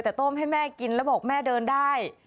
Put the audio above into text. แต่ต้มให้แม่กินแล้วบอกแม่เดินได้